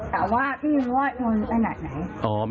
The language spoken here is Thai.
แต่ว่าพี่รู้ว่าชนขนาดไหน